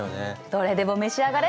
どれでも召し上がれ。